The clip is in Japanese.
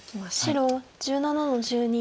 白１７の十二。